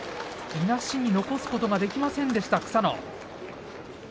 いなしに残すことができませんでした、草野。